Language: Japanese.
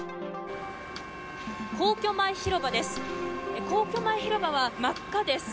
皇居前広場です。